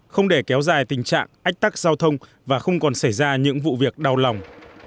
không để kéo dài tình trạng ách tắc giao thông và không còn xảy ra những vụ việc đau lòng